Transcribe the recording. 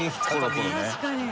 確かに。